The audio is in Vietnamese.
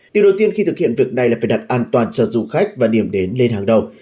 điều đầu tiên khi thực hiện việc này là phải đặt an toàn cho du khách và điểm đến lên hàng đầu